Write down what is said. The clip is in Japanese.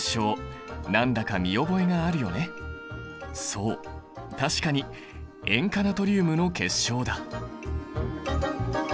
そう確かに塩化ナトリウムの結晶だ。